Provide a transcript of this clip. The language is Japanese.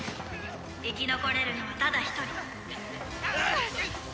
「生き残れるのはただ一人」ハッ！